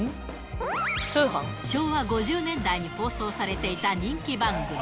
昭和５０年代に放送されていた人気番組。